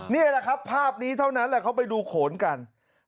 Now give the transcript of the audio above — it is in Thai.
นี่แหละครับภาพนี้เท่านั้นแหละเขาไปดูโขนกัน